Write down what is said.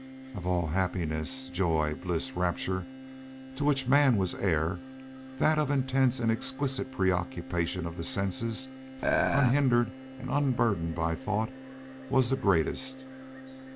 Of all happiness, joy, bliss, rapture to which man was heir, that of intense and exquisite preoccupation of the senses, unhindered and unburdened by thought, was the greatest.